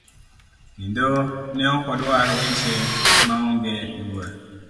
kendo ne okodwar weche maonge luor.